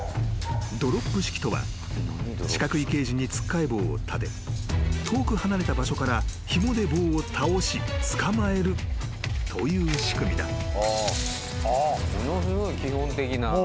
［ドロップ式とは四角いケージにつっかえ棒を立て遠く離れた場所からひもで棒を倒し捕まえるという仕組みだ］